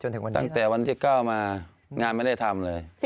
ตั้งแต่วันที่๙มางานไม่ได้ทำเลย